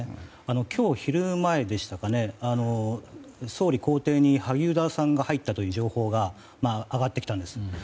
今日昼前でしたかね総理公邸に萩生田さんが入ったという情報が上がってきたんです。